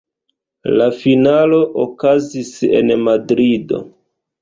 La finalo okazis en Madrido.